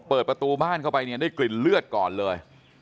เปิดประตูบ้านเข้าไปเนี่ยได้กลิ่นเลือดก่อนเลย